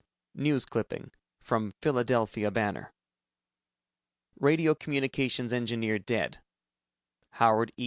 (News Clipping: From Philadelphia Banner) RADIO COMMUNICATIONS ENGINEER DEAD Howard E.